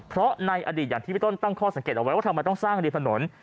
เพราะในอดีตอย่างที่พี่ต้นตั้งข้อสังเกตเอาไว้ว่าทำไมต้องสร้างริมถนน